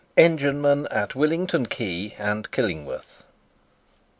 ENGINEMAN AT WILLINGTON QUAY AND KILLINGWORTH.